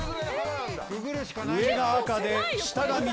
上が赤で下が緑。